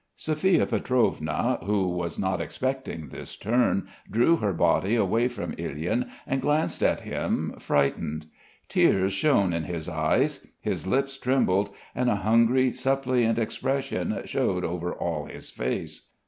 Sophia Pietrovna, who was not expecting this turn, drew her body away from Ilyin, and glanced at him frightened. Tears shone in his eyes. His lips trembled, and a hungry, suppliant expression showed over all his face.